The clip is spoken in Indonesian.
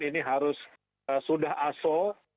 ini harus sudah aso dua ribu dua puluh